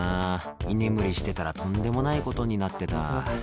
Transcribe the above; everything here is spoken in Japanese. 「居眠りしてたらとんでもないことになってた」